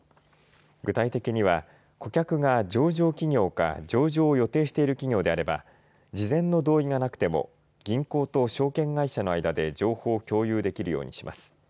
具体的には顧客が上場企業か上場を予定している企業であれば事前の同意がなくても銀行と証券会社の間で情報を共有できるようにします。